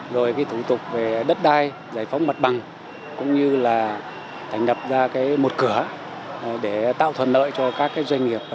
rồi cái thủ tục về đất đai giải phóng mặt bằng cũng như là thành đập ra một cửa để tạo thuận lợi cho các doanh nghiệp